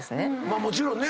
もちろんね。